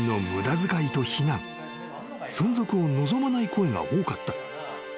［存続を望まない声が多かった］